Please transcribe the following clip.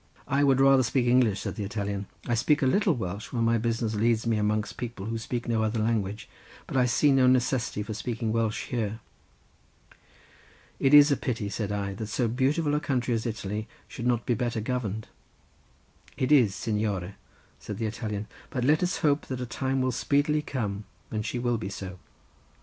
"I would rather speak English," said the Italian; "I speak a little Welsh, when my business leads me amongst people who speak no other language; but I see no necessity for speaking Welsh here." "It is a pity," said I, "that so beautiful a country as Italy should not be better governed." "It is, signore," said the Italian; "but let us hope that a time will speedily come when she will be so."